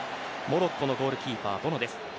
モロッコのゴールキーパーボノです。